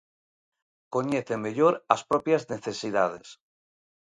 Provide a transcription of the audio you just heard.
Coñecen mellor as propias necesidades.